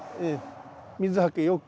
水はけ良く。